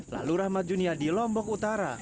lalu rahmat junia di lombok utara